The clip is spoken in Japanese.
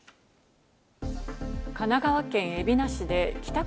神奈川県海老名市で帰宅